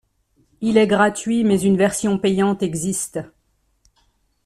Il est gratuit mais une version payante existe.